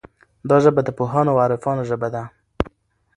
دا ژبه د پوهانو او عارفانو ژبه ده.